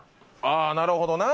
ああなるほどな。